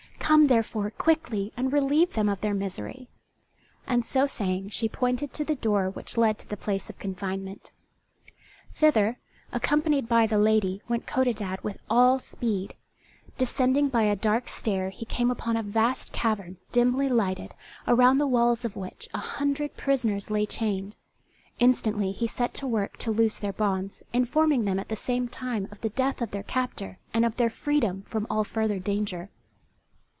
Come, therefore, quickly and relieve them of their misery." And so saying she pointed to the door which led to the place of confinement. Thither, accompanied by the lady, went Codadad with all speed. Descending by a dark stair he came upon a vast cavern dimly lighted, around the walls of which a hundred prisoners lay chained. Instantly he set to work to loose their bonds, informing them at the same time of the death of their captor and of their freedom from all further danger.